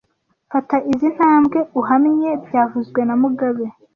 Fata izoi ntambwe uhamye byavuzwe na mugabe